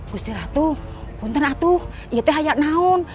gusti ratu punten atuh itu ayat naun